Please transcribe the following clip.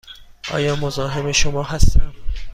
آیا مزاحم شما هستم؟